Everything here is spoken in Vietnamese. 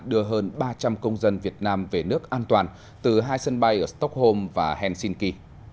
đưa hơn ba trăm linh công dân việt nam về nước an toàn từ hai sân bay ở stockholm và helsinki